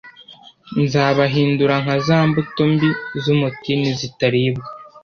nzabahindura nka za mbuto mbi z umutini zitaribwa